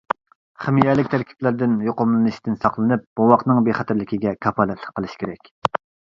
خىمىيەلىك تەركىبلەردىن يۇقۇملىنىشتىن ساقلىنىپ بوۋاقنىڭ بىخەتەرلىكىگە كاپالەتلىك قىلىش كېرەك.